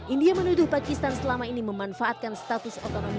india menuduh pakistan selama ini memanfaatkan status otonomi